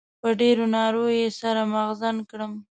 په ډېرو نارو يې سر مغزن کړم.